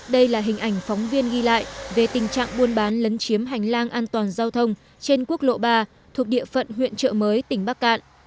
đây là hình ảnh phóng viên ghi lại về tình trạng buôn bán lấn chiếm hành lang an toàn giao thông trên quốc lộ ba thuộc địa phận huyện trợ mới tỉnh bắc cạn